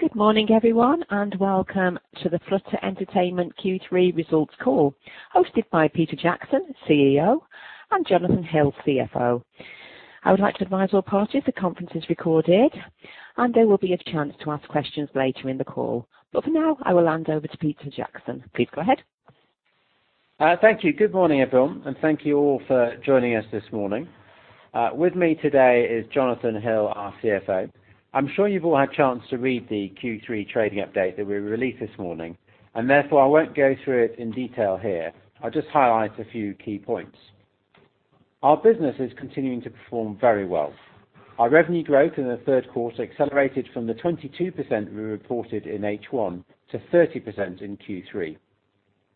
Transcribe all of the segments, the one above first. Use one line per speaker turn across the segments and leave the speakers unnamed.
Good morning, everyone. Welcome to the Flutter Entertainment Q3 results call, hosted by Peter Jackson, CEO, and Jonathan Hill, CFO. I would like to advise all parties the conference is recorded. There will be a chance to ask questions later in the call. For now, I will hand over to Peter Jackson. Please go ahead.
Thank you. Good morning, everyone, and thank you all for joining us this morning. With me today is Jonathan Hill, our CFO. I'm sure you've all had a chance to read the Q3 trading update that we released this morning. Therefore, I won't go through it in detail here. I'll just highlight a few key points. Our business is continuing to perform very well. Our revenue growth in the third quarter accelerated from the 22% we reported in H1 to 30% in Q3.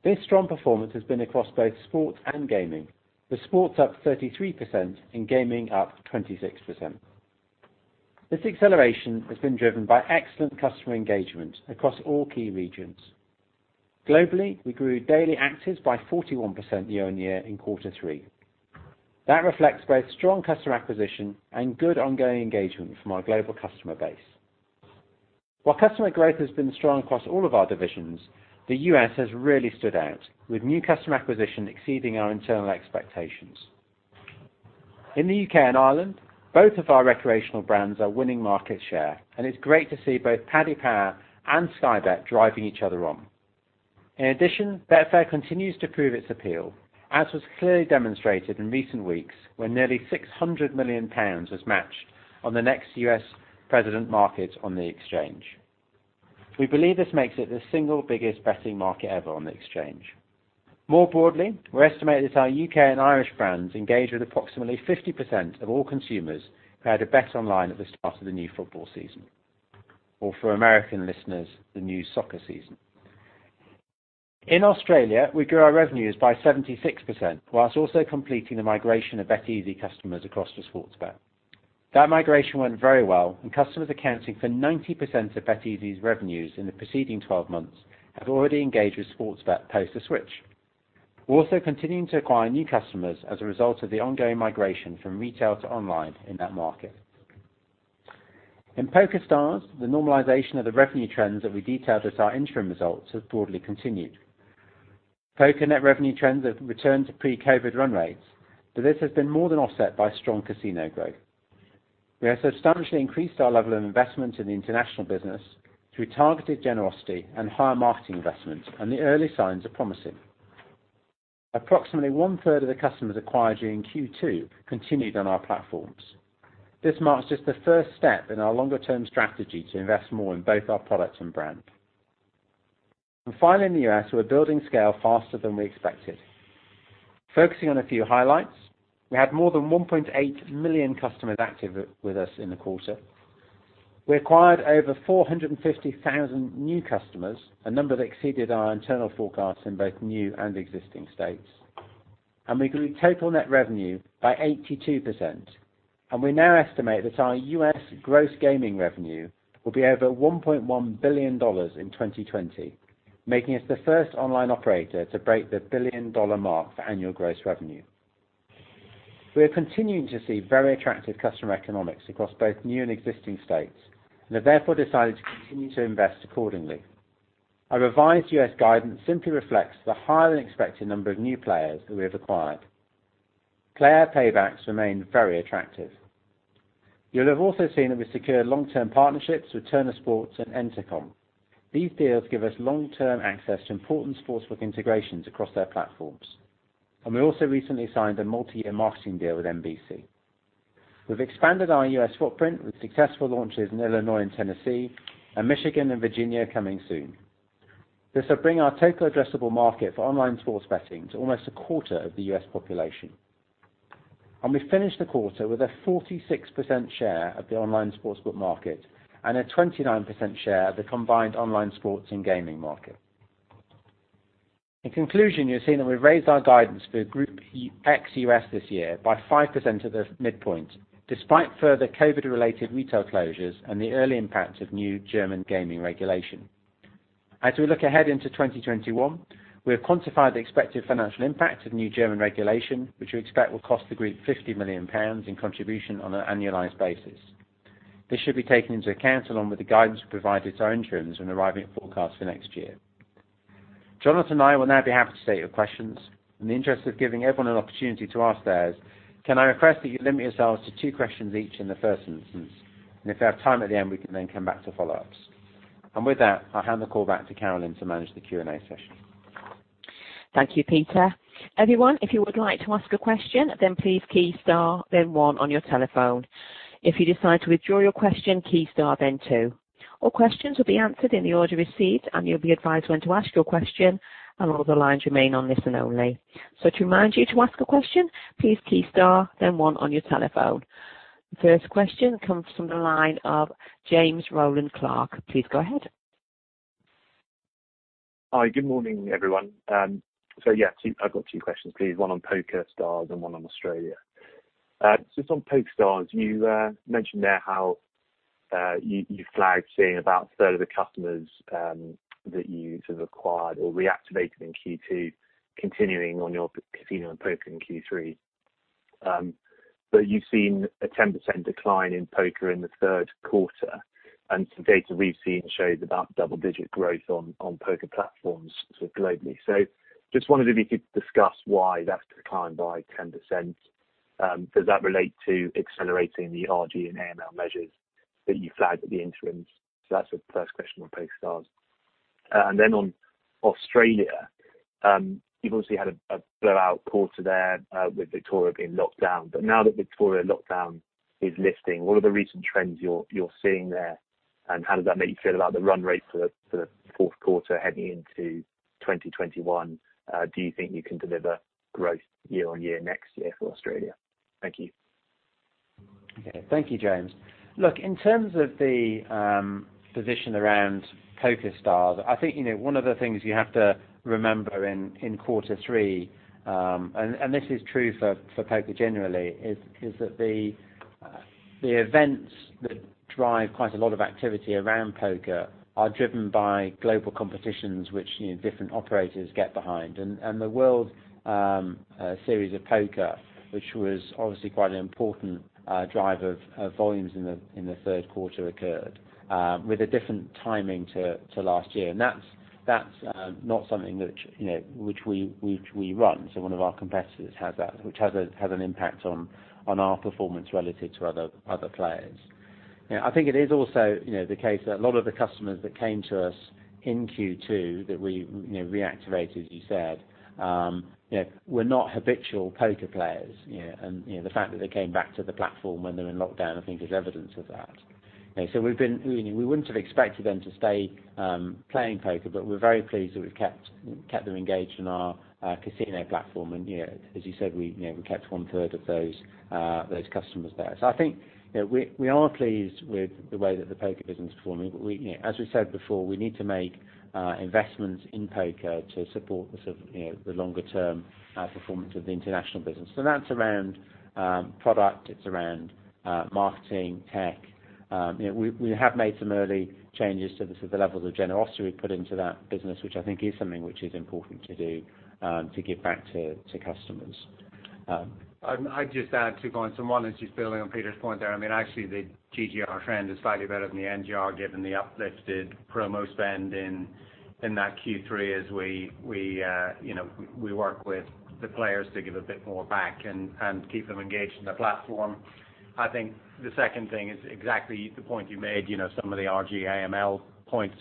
This strong performance has been across both sports and gaming, with sports up 33% and gaming up 26%. This acceleration has been driven by excellent customer engagement across all key regions. Globally, we grew daily actives by 41% year-on-year in quarter three. That reflects both strong customer acquisition and good ongoing engagement from our global customer base. While customer growth has been strong across all of our divisions, the U.S. has really stood out, with new customer acquisition exceeding our internal expectations. In the U.K. and Ireland, both of our recreational brands are winning market share, and it's great to see both Paddy Power and Sky Bet driving each other on. In addition, Betfair continues to prove its appeal, as was clearly demonstrated in recent weeks, when nearly 600 million pounds was matched on the next U.S. president market on the exchange. We believe this makes it the single biggest betting market ever on the exchange. More broadly, we estimate that our U.K. and Irish brands engage with approximately 50% of all consumers who had a bet online at the start of the new football season, or for American listeners, the new soccer season. In Australia, we grew our revenues by 76%, whilst also completing the migration of BetEasy customers across to Sportsbet. That migration went very well, and customers accounting for 90% of BetEasy's revenues in the preceding 12 months have already engaged with Sportsbet post the switch. We're also continuing to acquire new customers as a result of the ongoing migration from retail to online in that market. In PokerStars, the normalization of the revenue trends that we detailed at our interim results has broadly continued. Poker net revenue trends have returned to pre-COVID run rates, but this has been more than offset by strong casino growth. We have substantially increased our level of investment in the international business through targeted generosity and higher marketing investment, and the early signs are promising. Approximately one-third of the customers acquired during Q2 continued on our platforms. This marks just the first step in our longer term strategy to invest more in both our products and brand. Finally, in the U.S., we're building scale faster than we expected. Focusing on a few highlights, we had more than 1.8 million customers active with us in the quarter. We acquired over 450,000 new customers, a number that exceeded our internal forecasts in both new and existing states, and we grew total net revenue by 82%. We now estimate that our U.S. gross gaming revenue will be over $1.1 billion in 2020, making us the first online operator to break the billion-dollar mark for annual gross revenue. We are continuing to see very attractive customer economics across both new and existing states and have therefore decided to continue to invest accordingly. Our revised U.S. guidance simply reflects the higher-than-expected number of new players who we have acquired. Player paybacks remain very attractive. You'll have also seen that we secured long-term partnerships with Turner Sports and Entercom. These deals give us long-term access to important sportsbook integrations across their platforms. We also recently signed a multi-year marketing deal with NBC. We've expanded our U.S. footprint with successful launches in Illinois and Tennessee, and Michigan and Virginia coming soon. This will bring our total addressable market for online sports betting to almost a quarter of the U.S. population. We finished the quarter with a 46% share of the online sportsbook market and a 29% share of the combined online sports and gaming market. In conclusion, you have seen that we've raised our guidance for Group ex U.S. this year by 5% at the midpoint, despite further COVID-related retail closures and the early impacts of new German gaming regulation. As we look ahead into 2021, we have quantified the expected financial impact of new German regulation, which we expect will cost the group 50 million pounds in contribution on an annualized basis. This should be taken into account along with the guidance we provided to our interims when arriving at forecasts for next year. Jonathan and I will now be happy to take your questions. In the interest of giving everyone an opportunity to ask theirs, can I request that you limit yourselves to two questions each in the first instance, and if we have time at the end, we can then come back to follow-ups. With that, I'll hand the call back to Carolyn to manage the Q&A session.
Thank you, Peter. Everyone, if you would like to ask a question, please key star then one on your telephone. If you decide to withdraw your question, key star then two. All questions will be answered in the order received. You'll be advised when to ask your question. All other lines remain on listen only. To remind you to ask a question, please key star then one on your telephone. The first question comes from the line of James Rowland Clark. Please go ahead.
Hi, good morning, everyone. Yeah, I've got two questions, please. One on PokerStars and one on Australia. Just on PokerStars, you mentioned there how you flagged seeing about a third of the customers that you sort of acquired or reactivated in Q2 continuing on your casino and poker in Q3. But you've seen a 10% decline in poker in the third quarter, and some data we've seen shows about double-digit growth on poker platforms globally. Just wondered if you could discuss why that's declined by 10%. Does that relate to accelerating the RG and AML measures that you flagged at the interims? That's the first question on PokerStars. On Australia, you've obviously had a blowout quarter there with Victoria being locked down. Now that Victoria lockdown is lifting, what are the recent trends you're seeing there, and how does that make you feel about the run rate for the fourth quarter heading into 2021? Do you think you can deliver growth year-on-year next year for Australia? Thank you.
Okay. Thank you, James. Look, in terms of the position around PokerStars, I think one of the things you have to remember in quarter three, and this is true for poker generally, is that the events that drive quite a lot of activity around poker are driven by global competitions, which different operators get behind. The World Series of Poker, which was obviously quite an important driver of volumes in the third quarter, occurred with a different timing to last year. That's not something which we run. One of our competitors has that, which has an impact on our performance relative to other players. I think it is also the case that a lot of the customers that came to us in Q2 that we reactivated, as you said, were not habitual poker players. The fact that they came back to the platform when they were in lockdown, I think is evidence of that. We wouldn't have expected them to stay playing poker, but we're very pleased that we've kept them engaged in our casino platform. As you said, we kept one-third of those customers there. I think we are pleased with the way that the poker business is performing. As we said before, we need to make investments in poker to support the longer-term performance of the international business. That's around product, it's around marketing, tech. We have made some early changes to the levels of generosity we put into that business, which I think is something which is important to do, to give back to customers.
I'd just add two points, and one is just building on Peter's point there. Actually, the GGR trend is slightly better than the NGR given the uplifted promo spend in that Q3 as we work with the players to give a bit more back and keep them engaged in the platform. I think the second thing is exactly the point you made, some of the RG-AML points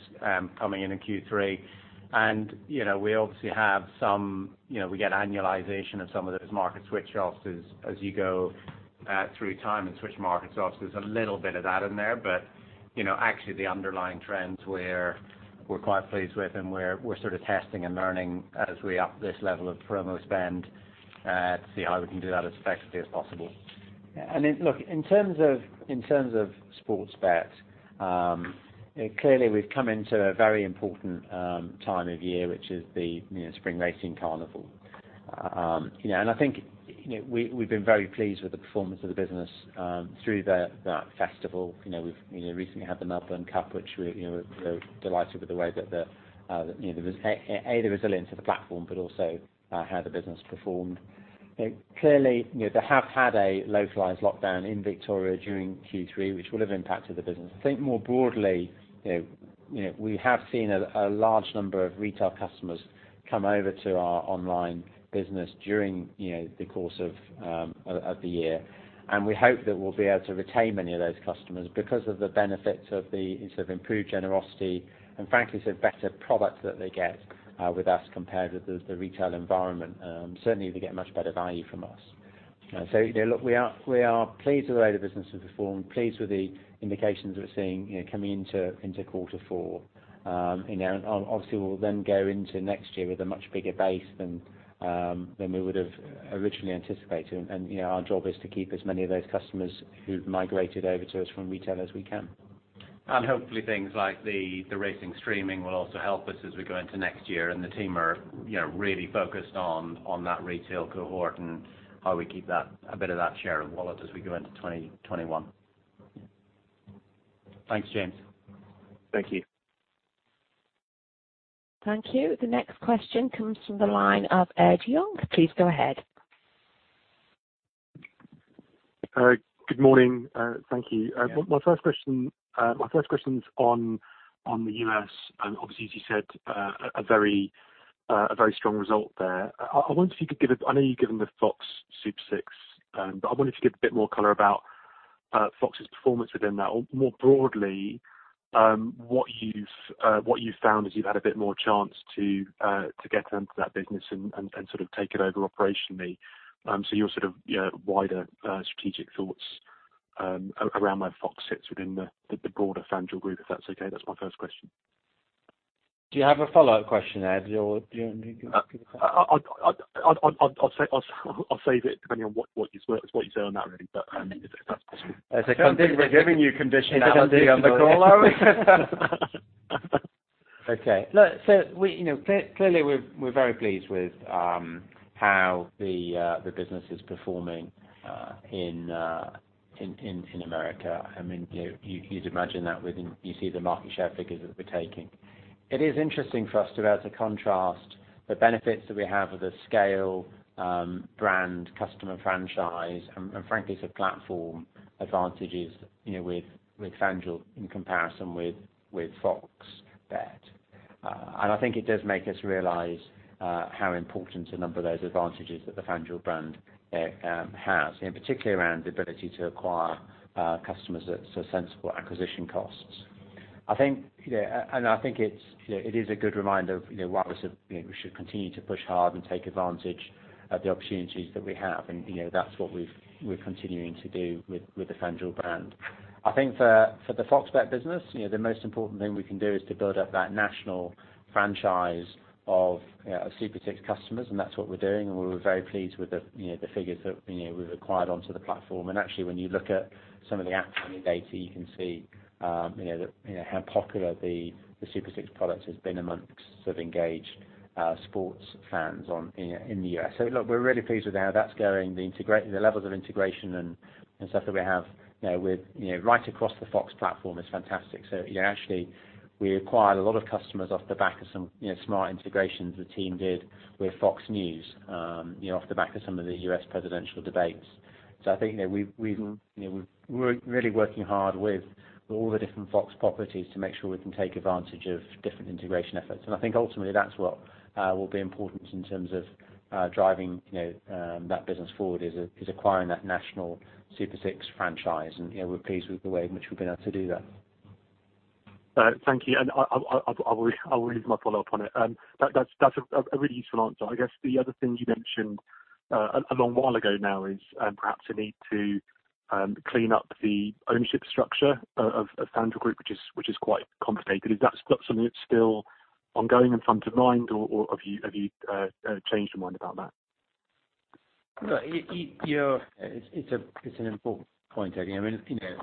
coming in in Q3. We obviously get annualization of some of those markets which often as you go through time and switch markets off, there's a little bit of that in there. Actually, the underlying trends we're quite pleased with and we're sort of testing and learning as we up this level of promo spend to see how we can do that as effectively as possible.
Yeah. Look, in terms of sports bets, clearly we've come into a very important time of year, which is the spring racing carnival. I think we've been very pleased with the performance of the business through that festival. We've recently had the Melbourne Cup, which we're delighted with A, the resilience of the platform, but also how the business performed. Clearly, they have had a localized lockdown in Victoria during Q3, which will have impacted the business. I think more broadly, we have seen a large number of retail customers come over to our online business during the course of the year. We hope that we'll be able to retain many of those customers because of the benefits of the improved generosity and frankly, sort of better product that they get with us compared with the retail environment. Certainly, they get much better value from us. Look, we are pleased with the way the business has performed, pleased with the indications we're seeing coming into quarter four. Obviously, we'll then go into next year with a much bigger base than we would have originally anticipated, Our job is to keep as many of those customers who've migrated over to us from retail as we can.
Hopefully things like the racing streaming will also help us as we go into next year, and the team are really focused on that retail cohort and how we keep a bit of that share of wallet as we go into 2021.
Thanks, James.
Thank you.
Thank you. The next question comes from the line of Ed Young. Please go ahead.
All right. Good morning. Thank you.
Yeah.
My first question is on the U.S., and obviously, as you said, a very strong result there. I know you've given the FOX Super 6, but I wondered if you could give a bit more color about FOX's performance within that, or more broadly, what you've found as you've had a bit more chance to get into that business and sort of take it over operationally. Your sort of wider strategic thoughts around where FOX sits within the broader FanDuel Group, if that's okay. That's my first question.
Do you have a follow-up question, Ed?
I'll save it depending on what you say on that really, if that's possible.
I don't think we're giving you conditionality on the call out.
Clearly, we're very pleased with how the business is performing in America. You'd imagine that when you see the market share figures that we're taking. It is interesting for us to be able to contrast the benefits that we have of the scale, brand, customer franchise, and frankly, the platform advantages with FanDuel in comparison with FOX Bet. I think it does make us realize how important a number of those advantages that the FanDuel brand has, and particularly around the ability to acquire customers at sensible acquisition costs. I think it is a good reminder of why we should continue to push hard and take advantage of the opportunities that we have. That's what we're continuing to do with the FanDuel brand. I think for the FOX Bet business, the most important thing we can do is to build up that national franchise of Super 6 customers, and that's what we're doing, and we were very pleased with the figures that we've acquired onto the platform. Actually, when you look at some of the app activity, you can see how popular the Super 6 product has been amongst engaged sports fans in the U.S. Look, we're really pleased with how that's going, the levels of integration and stuff that we have right across the Fox platform is fantastic. Actually, we acquired a lot of customers off the back of some smart integrations the team did with Fox News, off the back of some of the U.S. presidential debates. I think we're really working hard with all the different Fox properties to make sure we can take advantage of different integration efforts. I think ultimately that's what will be important in terms of driving that business forward, is acquiring that national Super 6 franchise and we're pleased with the way in which we've been able to do that.
Thank you. I will leave my follow-up on it. That's a really useful answer. I guess the other thing you mentioned a long while ago now is perhaps a need to clean up the ownership structure of FanDuel Group, which is quite complicated. Is that still something that's still ongoing and front of mind, or have you changed your mind about that?
Look, it's an important point, Ed.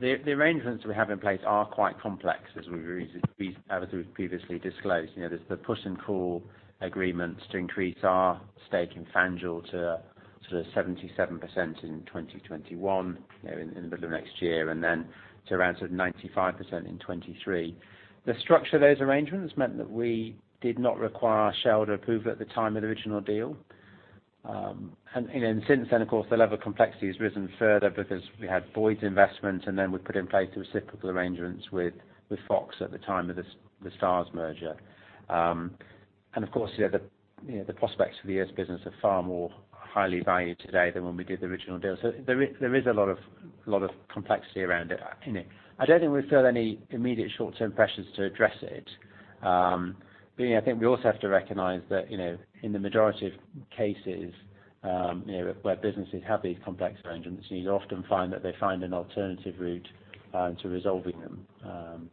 The arrangements we have in place are quite complex as we have previously disclosed. There's the put and call agreements to increase our stake in FanDuel to 77% in 2021, in the middle of next year, and then to around sort of 95% in 2023. The structure of those arrangements meant that we did not require shareholder approval at the time of the original deal. Since then, of course, the level of complexity has risen further because we had Boyd's investment, and then we put in place reciprocal arrangements with Fox at the time of The Stars Group merger. Of course, the prospects for the U.S. business are far more highly valued today than when we did the original deal. There is a lot of complexity around it. I don't think we feel any immediate short-term pressures to address it, but I think we also have to recognize that in the majority of cases where businesses have these complex arrangements, you often find that they find an alternative route to resolving them.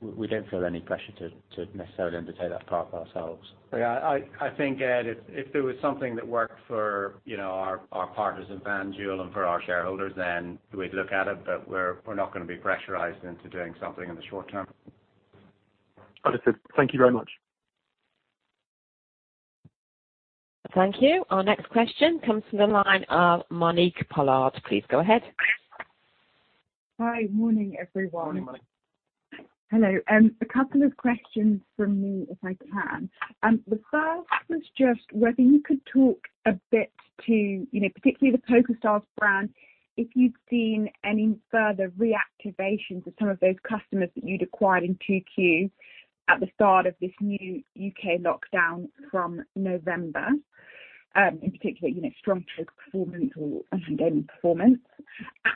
We don't feel any pressure to necessarily undertake that path ourselves.
I think, Ed, if there was something that worked for our partners in FanDuel and for our shareholders, then we'd look at it. We're not going to be pressurized into doing something in the short term.
Understood. Thank you very much.
Thank you. Our next question comes from the line of Monique Pollard. Please go ahead.
Hi. Morning, everyone.
Morning, Monique.
Hello. A couple of questions from me, if I can. The first was just whether you could talk a bit to, particularly the PokerStars brand, if you've seen any further reactivations of some of those customers that you'd acquired in Q2 at the start of this new U.K. lockdown from November, in particular, strong poker performance or gaming performance.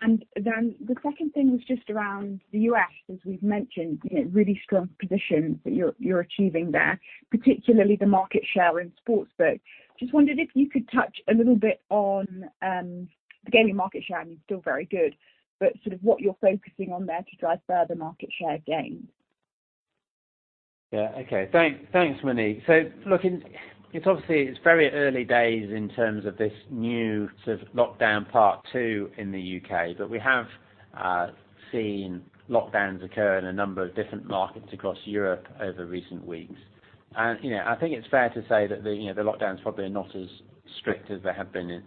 The second thing was just around the U.S., as we've mentioned, really strong positions that you're achieving there, particularly the market share in sportsbook. Just wondered if you could touch a little bit on, the gaming market share, I mean, still very good, but sort of what you're focusing on there to drive further market share gains.
Yeah. Okay. Thanks, Monique. Look, obviously, it's very early days in terms of this new sort of lockdown part two in the U.K. We have seen lockdowns occur in a number of different markets across Europe over recent weeks. I think it's fair to say that the lockdowns probably are not as strict as they have been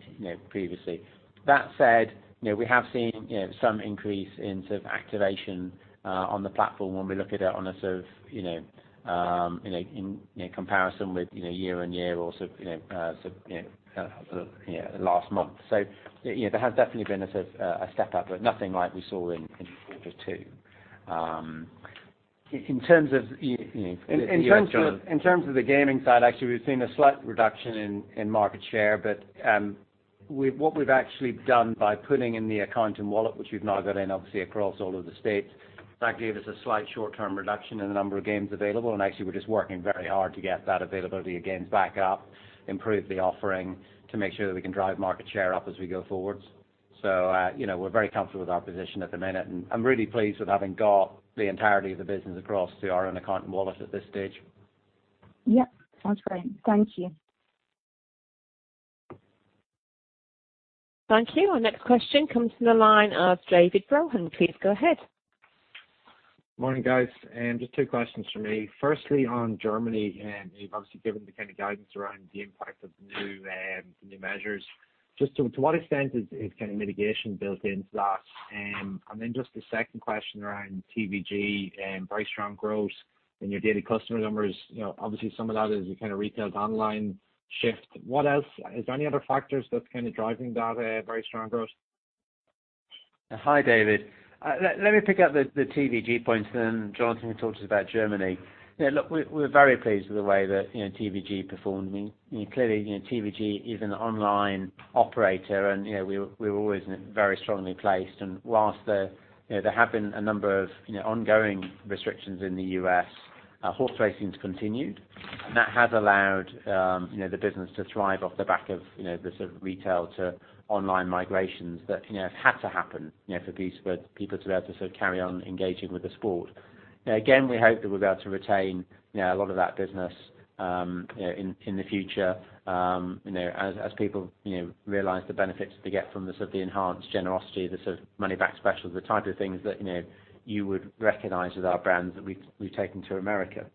previously. That said, we have seen some increase in sort of activation on the platform when we look at it in comparison with year-on-year or last month. There has definitely been a step up, but nothing like we saw in quarter two. In terms of-
In terms of the gaming side, actually, we've seen a slight reduction in market share. What we've actually done by putting in the account and wallet, which we've now got in, obviously, across all of the states, that gave us a slight short-term reduction in the number of games available. Actually, we're just working very hard to get that availability of games back up, improve the offering to make sure that we can drive market share up as we go forwards. We're very comfortable with our position at the minute, and I'm really pleased with having got the entirety of the business across to our own account and wallet at this stage.
Yep. Sounds great. Thank you.
Thank you. Our next question comes from the line of David Rohan. Please go ahead
Morning, guys. Just two questions from me. Firstly, on Germany, you've obviously given the kind of guidance around the impact of the new measures. Just to what extent is mitigation built into that? Just the second question around TVG, very strong growth in your daily customer numbers. Obviously, some of that is the retail to online shift. Is there any other factors that's kind of driving that very strong growth?
Hi, David. Let me pick up the TVG point and then Jonathan can talk to us about Germany. Look, we're very pleased with the way that TVG performed. Clearly, TVG is an online operator and we're always very strongly placed. Whilst there have been a number of ongoing restrictions in the U.S., horse racing's continued, and that has allowed the business to thrive off the back of the sort of retail to online migrations that have had to happen for people to be able to sort of carry on engaging with the sport. Again, we hope that we'll be able to retain a lot of that business in the future as people realize the benefits they get from the sort of enhanced generosity, the sort of money back specials, the type of things that you would recognize with our brands that we've taken to America.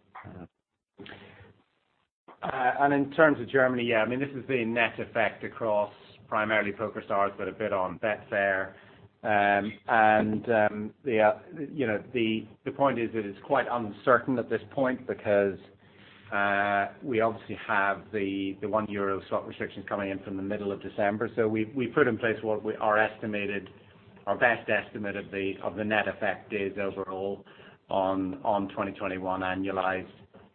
In terms of Germany, yeah, this has been net effect across primarily PokerStars, but a bit on Betfair. The point is that it's quite uncertain at this point because we obviously have the 1 euro slot restrictions coming in from the middle of December. We've put in place what our best estimate of the net effect is overall on 2021 annualized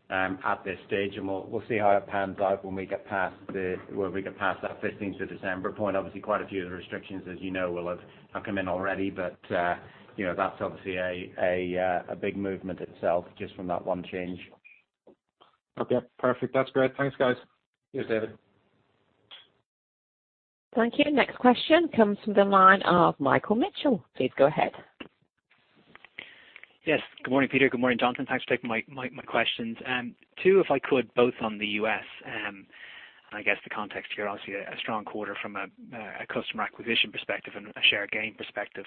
at this stage, and we'll see how it pans out when we get past that 15th of December point. Quite a few of the restrictions, as you know, will have come in already, but that's obviously a big movement itself just from that one change.
Okay, perfect. That's great. Thanks, guys.
Cheers, David.
Thank you. Next question comes from the line of Michael Mitchell. Please go ahead.
Yes. Good morning, Peter. Good morning, Jonathan. Thanks for taking my questions. Two, if I could, both on the U.S. and I guess the context here, obviously a strong quarter from a customer acquisition perspective and a share gain perspective.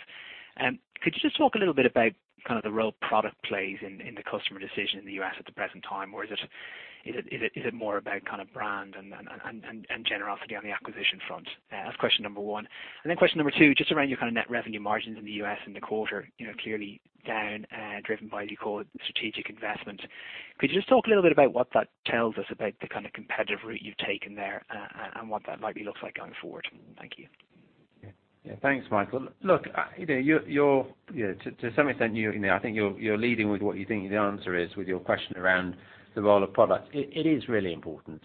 Could you just talk a little bit about kind of the role product plays in the customer decision in the U.S. at the present time, or is it more about kind of brand and generosity on the acquisition front? That's question number 1. Question number 2, just around your kind of net revenue margins in the U.S. in the quarter, clearly down and driven by what you call strategic investment. Could you just talk a little bit about what that tells us about the kind of competitive route you've taken there and what that might look like going forward? Thank you.
Yeah. Thanks, Michael. Look, to some extent, I think you're leading with what you think the answer is with your question around the role of product. It is really important.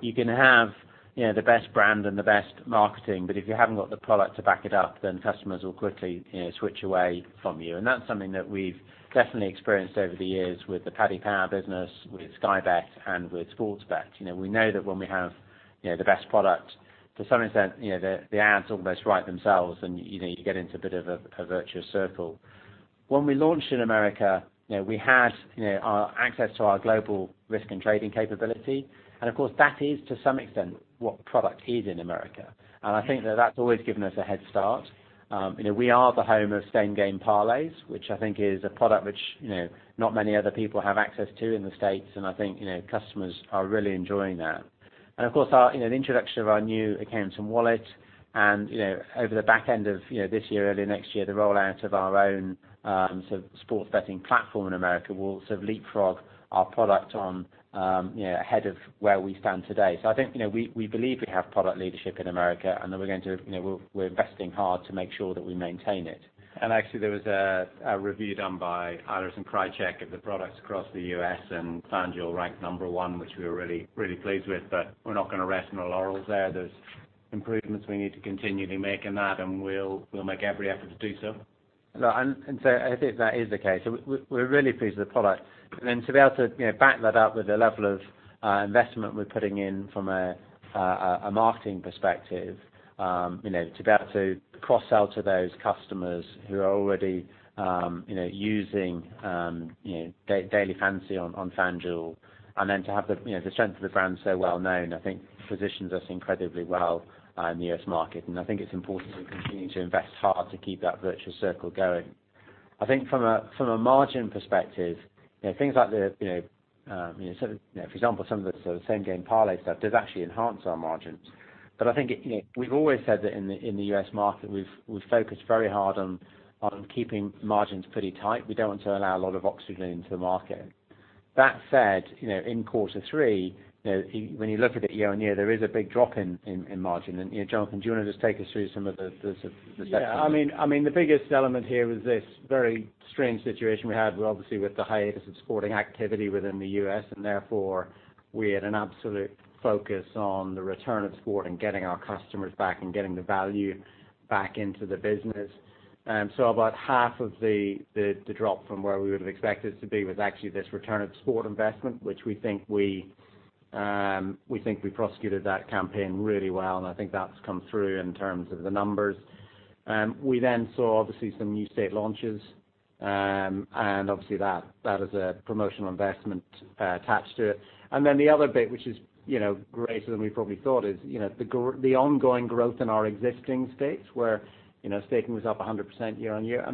You can have the best brand and the best marketing, if you haven't got the product to back it up, then customers will quickly switch away from you. That's something that we've definitely experienced over the years with the Paddy Power business, with Sky Bet, and with Sportsbet. We know that when we have the best product, to some extent, the ads almost write themselves and you get into a bit of a virtuous circle. When we launched in America, we had our access to our global risk and trading capability, of course, that is to some extent what product is in America. I think that that's always given us a head start. We are the home of same-game parlays, which I think is a product which not many other people have access to in the U.S., I think customers are really enjoying that. Of course, our introduction of our new accounts and wallet and over the back end of this year, early next year, the rollout of our own sort of sports betting platform in America will sort of leapfrog our product on ahead of where we stand today. I think we believe we have product leadership in America, and that we're investing hard to make sure that we maintain it.
Actually, there was a review done by Eilers & Krejcik of the products across the U.S. FanDuel ranked number one, which we were really pleased with. We're not going to rest on our laurels there. There's improvements we need to continually make in that, and we'll make every effort to do so.
No. I think that is the case. We're really pleased with the product. Then to be able to back that up with the level of investment we're putting in from a marketing perspective, to be able to cross-sell to those customers who are already using daily fantasy on FanDuel, and then to have the strength of the brand so well-known, I think positions us incredibly well in the U.S. market. I think it's important we continue to invest hard to keep that virtuous circle going. I think from a margin perspective, things like, for example, some of the same-game parlay stuff does actually enhance our margins. I think we've always said that in the U.S. market, we've focused very hard on keeping margins pretty tight. We don't want to allow a lot of oxygen into the market. That said, in quarter three, when you look at it year-over-year, there is a big drop in margin. Jonathan, do you want to just take us through some of the sections?
Yeah. The biggest element here is this very strange situation we had obviously with the hiatus of sporting activity within the U.S. Therefore, we had an absolute focus on the return of sport and getting our customers back and getting the value back into the business. About half of the drop from where we would have expected to be was actually this return of sport investment, which we think we prosecuted that campaign really well. I think that's come through in terms of the numbers. We then saw, obviously, some new state launches. Obviously, that has a promotional investment attached to it. The other bit which is greater than we probably thought is the ongoing growth in our existing states where staking was up 100% year-on-year.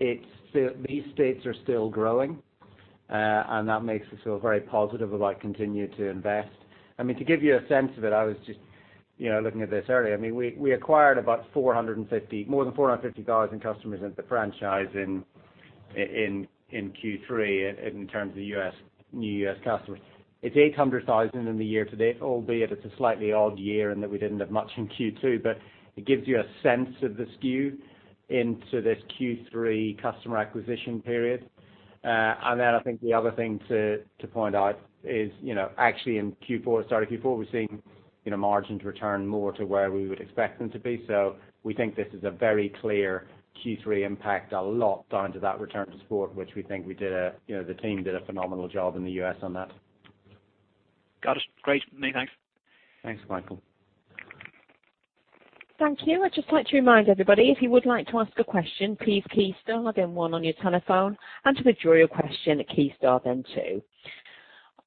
These states are still growing.
That makes us feel very positive about continuing to invest. To give you a sense of it, I was just looking at this earlier. We acquired more than 450,000 customers into the franchise in Q3 in terms of new U.S. customers. It's 800,000 in the year to date, albeit it's a slightly odd year in that we didn't have much in Q2, but it gives you a sense of the skew into this Q3 customer acquisition period. I think the other thing to point out is, actually in Q4, we're seeing margins return more to where we would expect them to be. We think this is a very clear Q3 impact, a lot down to that return to sport, which we think the team did a phenomenal job in the U.S. on that.
Got it. Great for me. Thanks.
Thanks, Michael.
Thank you. I'd just like to remind everybody, if you would like to ask a question, please key star, then one on your telephone, and to withdraw your question, key star, then two.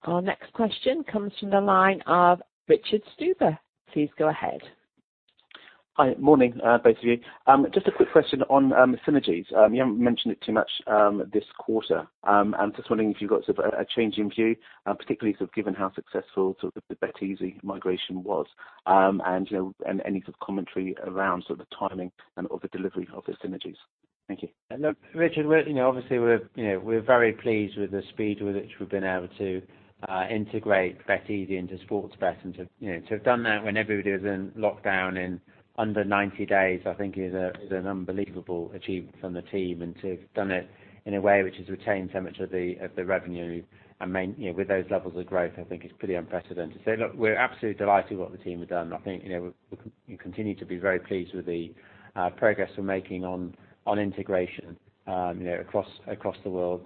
Our next question comes from the line of Richard Stuber. Please go ahead.
Hi. Morning, both of you. Just a quick question on synergies. You haven't mentioned it too much this quarter. I'm just wondering if you've got a change in view, particularly given how successful the BetEasy migration was, and any sort of commentary around the timing and/or the delivery of the synergies. Thank you.
Look, Richard, obviously, we're very pleased with the speed with which we've been able to integrate BetEasy into Sportsbet and to have done that when everybody was in lockdown in under 90 days, I think is an unbelievable achievement from the team. To have done it in a way which has retained so much of the revenue with those levels of growth, I think is pretty unprecedented. Look, we're absolutely delighted with what the team have done. I think we continue to be very pleased with the progress we're making on integration across the world.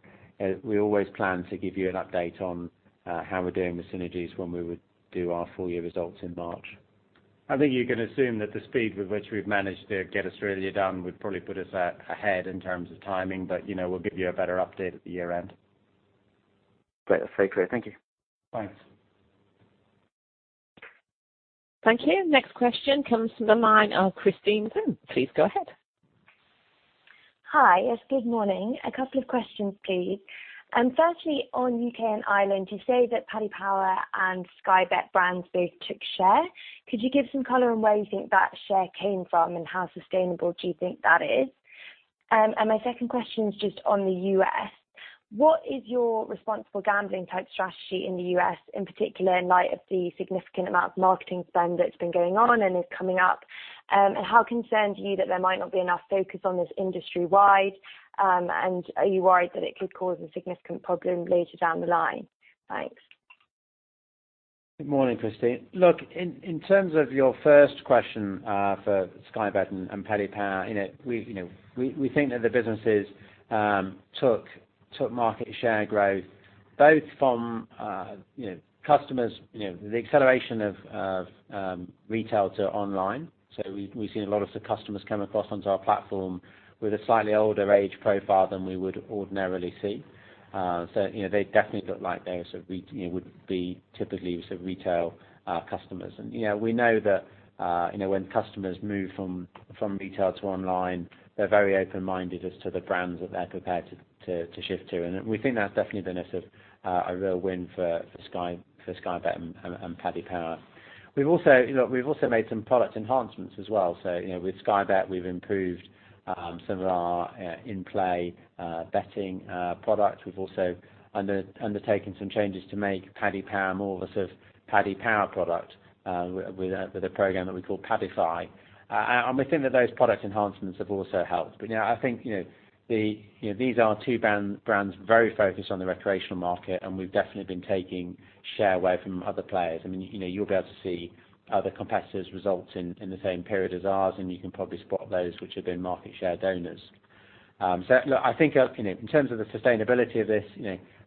We always plan to give you an update on how we're doing with synergies when we would do our full year results in March.
I think you can assume that the speed with which we've managed to get Australia done would probably put us ahead in terms of timing, but we'll give you a better update at the year-end.
Great. That's very clear. Thank you.
Thanks.
Thank you. Next question comes from the line of Christine Chen. Please go ahead.
Hi. Yes, good morning. A couple of questions, please. On U.K. and Ireland, you say that Paddy Power and Sky Bet brands both took share. Could you give some color on where you think that share came from, and how sustainable do you think that is? My second question is just on the U.S. What is your responsible gambling type strategy in the U.S. in particular, in light of the significant amount of marketing spend that's been going on and is coming up? How concerned are you that there might not be enough focus on this industry-wide? Are you worried that it could cause a significant problem later down the line? Thanks.
Good morning, Christine. In terms of your first question for Sky Bet and Paddy Power, we think that the businesses took market share growth both from customers, the acceleration of retail to online. We've seen a lot of the customers come across onto our platform with a slightly older age profile than we would ordinarily see. They definitely look like they would be typically retail customers. We know that when customers move from retail to online, they're very open-minded as to the brands that they're prepared to shift to. We think that's definitely been a real win for Sky Bet and Paddy Power. We've also made some product enhancements as well. With Sky Bet, we've improved some of our in-play betting products. We've also undertaken some changes to make Paddy Power more of a Paddy Power product with a program that we call Paddify. We think that those product enhancements have also helped. I think these are two brands very focused on the recreational market, and we've definitely been taking share away from other players. You'll be able to see other competitors' results in the same period as ours, and you can probably spot those which have been market share donors. Look, I think in terms of the sustainability of this,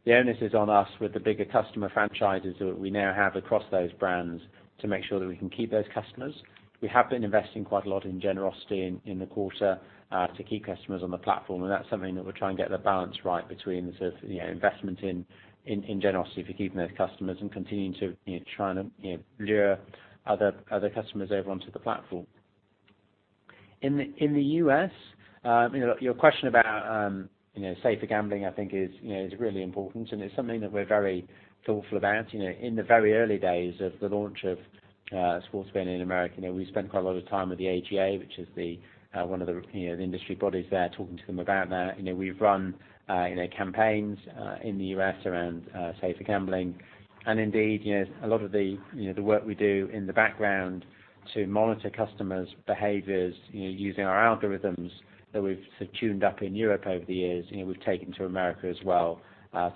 the onus is on us with the bigger customer franchises that we now have across those brands to make sure that we can keep those customers. We have been investing quite a lot in generosity in the quarter to keep customers on the platform, and that's something that we'll try and get the balance right between investment in generosity for keeping those customers and continuing to try to lure other customers over onto the platform. In the U.S., your question about safer gambling, I think is really important, and it's something that we're very thoughtful about. In the very early days of the launch of sports betting in America, we spent quite a lot of time with the AGA, which is one of the industry bodies there, talking to them about that. We've run campaigns in the U.S. around safer gambling. Indeed, a lot of the work we do in the background to monitor customers' behaviors using our algorithms that we've tuned up in Europe over the years, we've taken to America as well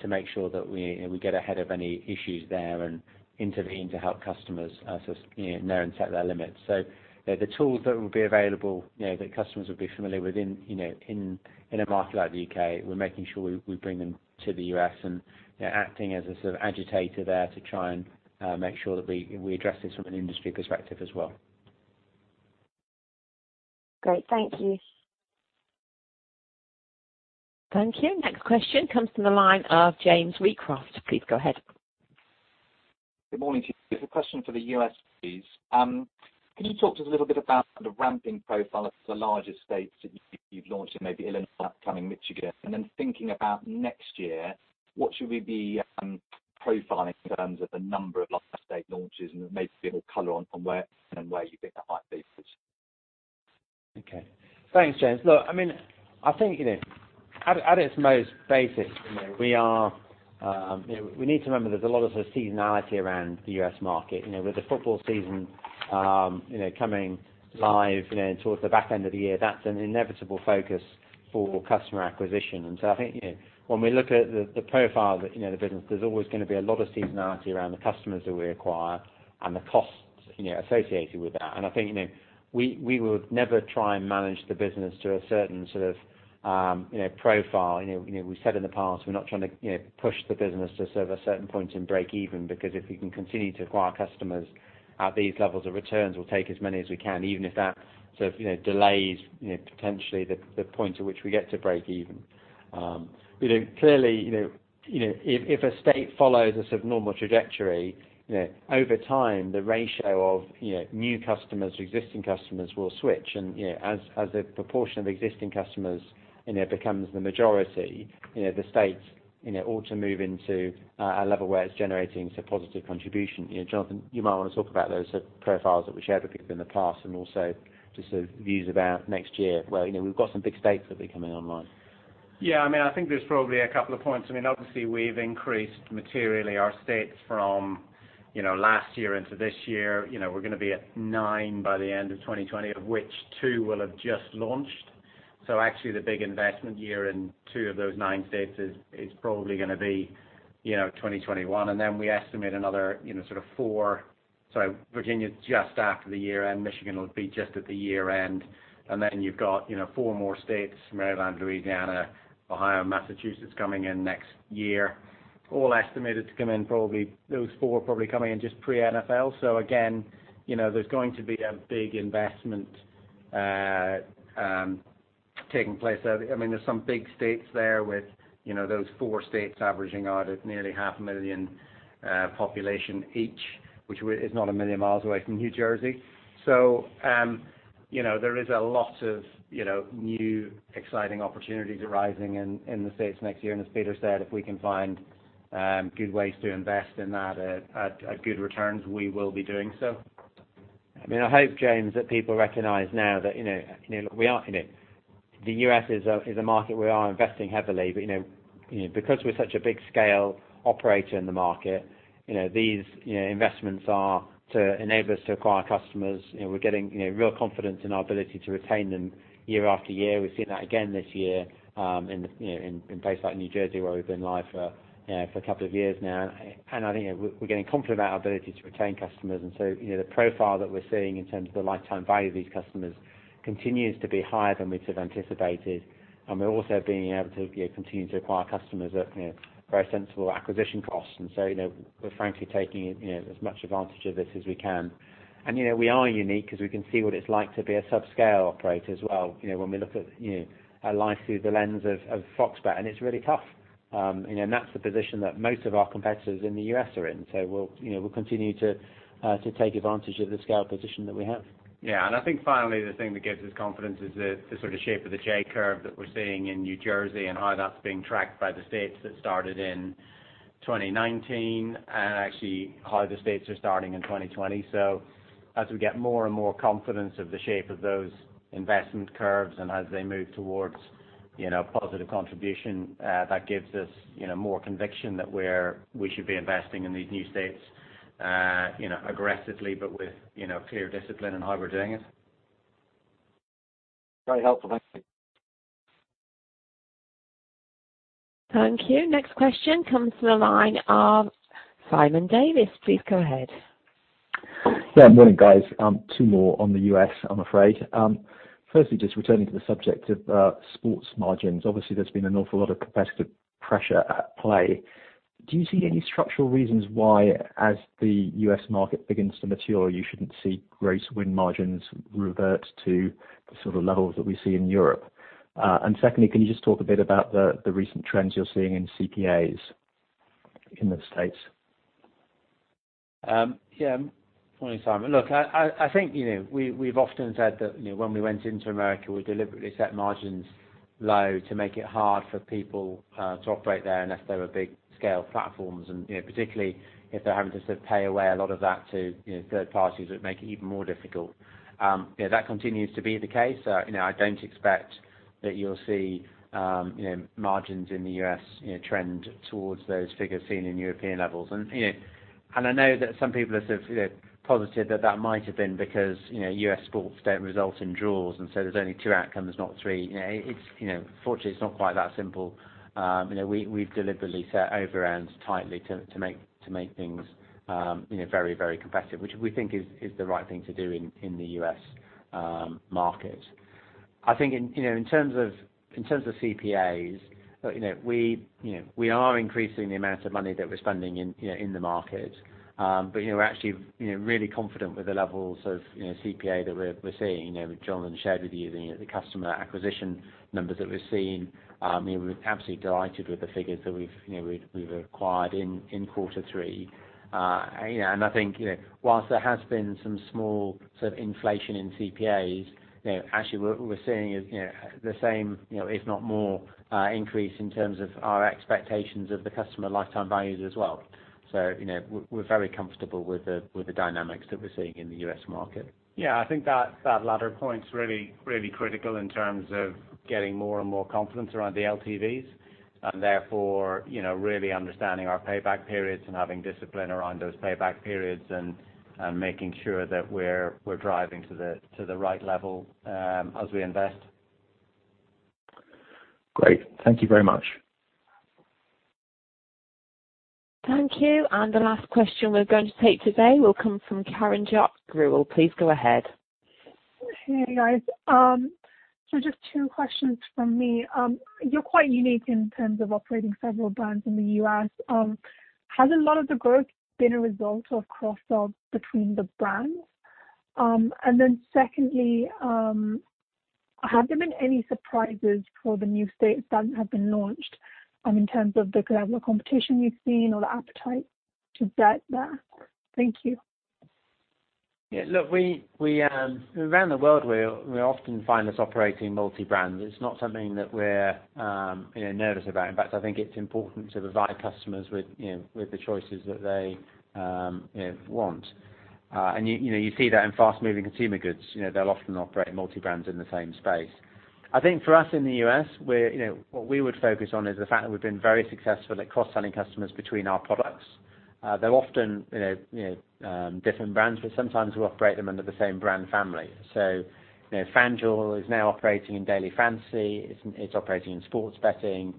to make sure that we get ahead of any issues there and intervene to help customers know and set their limits. The tools that will be available that customers will be familiar with in a market like the U.K., we're making sure we bring them to the U.S. and acting as a sort of agitator there to try and make sure that we address this from an industry perspective as well.
Great. Thank you.
Thank you. Next question comes from the line of James Recraft. Please go ahead.
Good morning to you. There's a question for the U.S., please. Can you talk to us a little bit about the ramping profile of the larger states that you've launched in maybe Illinois, upcoming Michigan, and then thinking about next year, what should we be profiling in terms of the number of state launches and maybe a bit more color on where you think that might be, please?
Okay. Thanks, James. Look, I think, at its most basic, we need to remember there's a lot of seasonality around the U.S. market. With the football season coming live towards the back end of the year, that's an inevitable focus for customer acquisition. I think, when we look at the profile of the business, there's always going to be a lot of seasonality around the customers that we acquire and the costs associated with that. I think we would never try and manage the business to a certain sort of profile. We said in the past, we're not trying to push the business to serve a certain point in break even because if we can continue to acquire customers at these levels of returns, we'll take as many as we can, even if that sort of delays potentially the point at which we get to break even. Clearly, if a state follows a sort of normal trajectory, over time, the ratio of new customers to existing customers will switch. As a proportion of existing customers becomes the majority, the states ought to move into a level where it's generating positive contribution. Jonathan, you might want to talk about those profiles that we shared with people in the past and also just sort of views about next year, where we've got some big states that'll be coming online.
Yeah, I think there's probably a couple of points. Obviously, we've increased materially our states from last year into this year. We're going to be at nine by the end of 2020, of which two will have just launched. Actually, the big investment year in two of those nine states is probably going to be 2021. We estimate another sort of four. Sorry, Virginia is just after the year, and Michigan will be just at the year-end. You've got four more states, Maryland, Louisiana, Ohio, Massachusetts, coming in next year, all estimated to come in, those four probably coming in just pre-NFL. Again, there's going to be a big investment taking place. There's some big states there with those four states averaging out at nearly half a million population each, which is not a million miles away from New Jersey. There is a lot of new exciting opportunities arising in the U.S. next year. As Peter said, if we can find good ways to invest in that at good returns, we will be doing so.
I hope, James, that people recognize now that the U.S. is a market we are investing heavily, but because we're such a big scale operator in the market, these investments are to enable us to acquire customers. We're getting real confidence in our ability to retain them year after year. We've seen that again this year in places like New Jersey, where we've been live for a couple of years now. I think we're getting confident about our ability to retain customers. The profile that we're seeing in terms of the lifetime value of these customers continues to be higher than we'd have anticipated. We're also being able to continue to acquire customers at very sensible acquisition costs. We're frankly taking as much advantage of this as we can. We are unique because we can see what it's like to be a subscale operator as well when we look at life through the lens of FOX Bet. It's really tough. That's the position that most of our competitors in the U.S. are in. We'll continue to take advantage of the scale position that we have.
Yeah. I think finally, the thing that gives us confidence is the sort of shape of the J-curve that we're seeing in New Jersey and how that's being tracked by the states that started in 2019, and actually how the states are starting in 2020. As we get more and more confidence of the shape of those investment curves and as they move towards positive contribution, that gives us more conviction that we should be investing in these new states aggressively, but with clear discipline in how we're doing it.
Very helpful. Thank you.
Thank you. Next question comes from the line of Simon Davies. Please go ahead.
Yeah. Morning, guys. Two more on the U.S., I'm afraid. Firstly, just returning to the subject of sports margins, obviously there's been an awful lot of competitive pressure at play. Do you see any structural reasons why, as the U.S. market begins to mature, you shouldn't see gross win margins revert to the sort of levels that we see in Europe? Secondly, can you just talk a bit about the recent trends you're seeing in CPAs in the States?
Yeah. Morning, Simon. Look, I think we've often said that when we went into America, we deliberately set margins low to make it hard for people to operate there unless they were big scale platforms and particularly if they're having to pay away a lot of that to third parties would make it even more difficult. That continues to be the case. I don't expect that you'll see margins in the U.S. trend towards those figures seen in European levels. I know that some people are positive that that might have been because U.S. sports don't result in draws, so there's only two outcomes, not three. Fortunately, it's not quite that simple. We've deliberately set over rounds tightly to make things very competitive, which we think is the right thing to do in the U.S. market. I think in terms of CPAs, we are increasing the amount of money that we're spending in the market. We're actually really confident with the levels of CPA that we're seeing. With Jonathan shared with you the customer acquisition numbers that we're seeing, we're absolutely delighted with the figures that we've acquired in quarter three. I think whilst there has been some small sort of inflation in CPAs, actually what we're seeing is the same, if not more increase in terms of our expectations of the customer lifetime values as well. We're very comfortable with the dynamics that we're seeing in the U.S. market.
I think that latter point's really critical in terms of getting more and more confidence around the LTVs, and therefore, really understanding our payback periods and having discipline around those payback periods and making sure that we're driving to the right level as we invest.
Great. Thank you very much.
Thank you. The last question we're going to take today will come from Karan Jhabru. Please go ahead.
Hey, guys. Just two questions from me. You're quite unique in terms of operating several brands in the U.S. Has a lot of the growth been a result of cross-sells between the brands? Secondly, have there been any surprises for the new states that have been launched in terms of the level of competition you've seen or the appetite to bet there? Thank you.
Yeah, look, around the world, we often find us operating multi-brand. It's not something that we're nervous about. I think it's important to provide customers with the choices that they want. You see that in fast-moving consumer goods. They'll often operate multi-brands in the same space. I think for us in the U.S., what we would focus on is the fact that we've been very successful at cross-selling customers between our products. They're often different brands, sometimes we operate them under the same brand family. FanDuel is now operating in Daily Fantasy, it's operating in sports betting,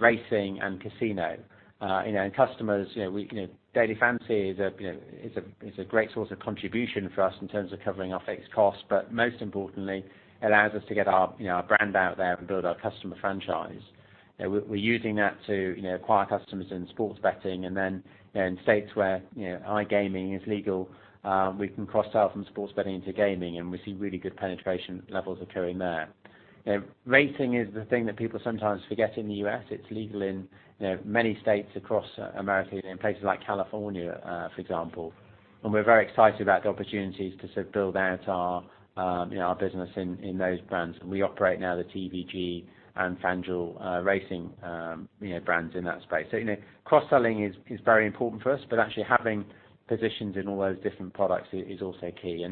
racing, and casino. Daily Fantasy is a great source of contribution for us in terms of covering our fixed costs. Most importantly, it allows us to get our brand out there and build our customer franchise. We're using that to acquire customers in sports betting and then in states where iGaming is legal, we can cross-sell from sports betting into gaming and we see really good penetration levels occurring there. Racing is the thing that people sometimes forget in the U.S. It's legal in many states across America, in places like California, for example. We're very excited about the opportunities to sort of build out our business in those brands. We operate now the TVG and FanDuel Racing brands in that space. Cross-selling is very important for us, but actually having positions in all those different products is also key.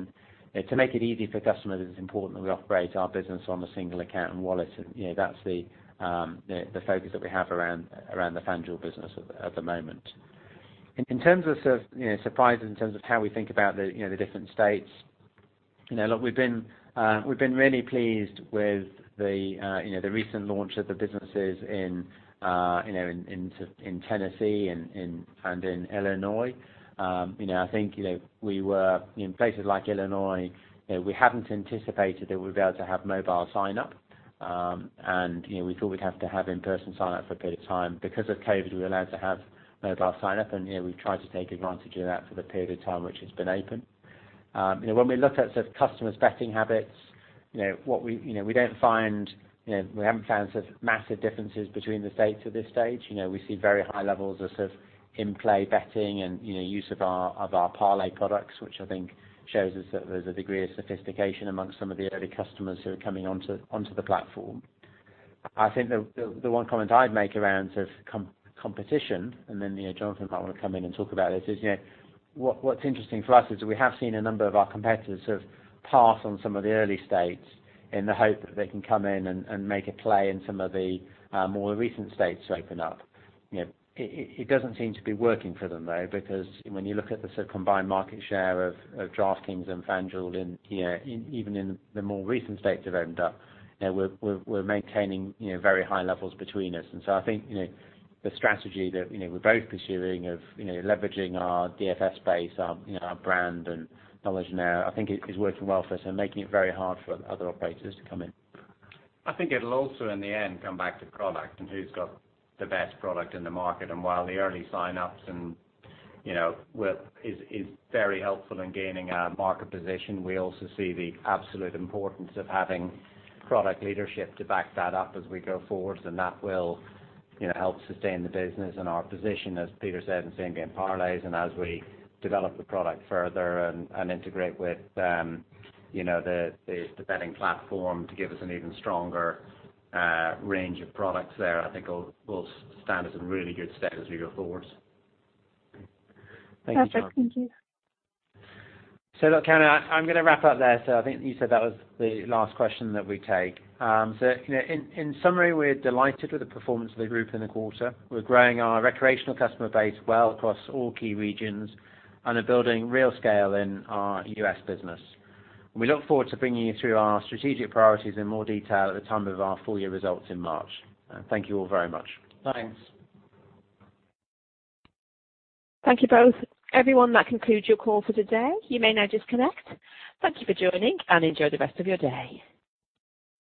To make it easy for customers, it's important that we operate our business on a single account and wallet. That's the focus that we have around the FanDuel business at the moment. In terms of surprises, in terms of how we think about the different states, look, we've been really pleased with the recent launch of the businesses in Tennessee and in Illinois. I think in places like Illinois, we hadn't anticipated that we'd be able to have mobile sign up. We thought we'd have to have in-person sign up for a period of time. Because of COVID, we were allowed to have mobile sign up, and we've tried to take advantage of that for the period of time which it's been open. When we look at sort of customers' betting habits, we haven't found massive differences between the states at this stage. We see very high levels of in-play betting and use of our parlay products, which I think shows us that there's a degree of sophistication amongst some of the early customers who are coming onto the platform. I think the one comment I'd make around competition, and then Jonathan might want to come in and talk about this, is what's interesting for us is we have seen a number of our competitors sort of pass on some of the early states in the hope that they can come in and make a play in some of the more recent states to open up. It doesn't seem to be working for them, though, because when you look at the combined market share of DraftKings and FanDuel even in the more recent states have opened up, we're maintaining very high levels between us. I think the strategy that we're both pursuing of leveraging our DFS base, our brand and knowledge now, I think is working well for us and making it very hard for other operators to come in.
I think it'll also, in the end, come back to product and who's got the best product in the market. While the early sign-ups is very helpful in gaining our market position, we also see the absolute importance of having product leadership to back that up as we go forward, and that will help sustain the business and our position, as Peter said, in same-game parlays, and as we develop the product further and integrate with the betting platform to give us an even stronger range of products there, I think will stand us in really good stead as we go forward.
Thank you, John.
Perfect. Thank you.
Look, Karan, I'm going to wrap up there. I think you said that was the last question that we'd take. In summary, we're delighted with the performance of the group in the quarter. We're growing our recreational customer base well across all key regions and are building real scale in our U.S. business. We look forward to bringing you through our strategic priorities in more detail at the time of our full year results in March. Thank you all very much.
Thanks.
Thank you both. Everyone, that concludes your call for today. You may now disconnect. Thank you for joining, and enjoy the rest of your day.